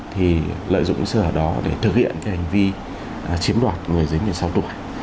thì lợi dụng sở đó để thực hiện hành vi chiếm đoạt người dưới một mươi sáu tuổi